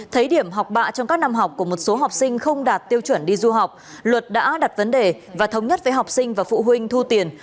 thấy điểm học bạ trong các năm học của một số học sinh không đạt tiêu chuẩn đi du học luật đã đặt vấn đề và thống nhất với học sinh và phụ huynh thu tiền